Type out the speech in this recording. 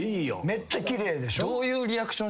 めっちゃ奇麗でしょ？